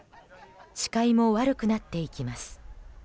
視界も悪くなっていきます。